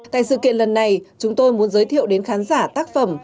tại sự kiện lần này chúng tôi muốn giới thiệu đến khán giả tác phẩm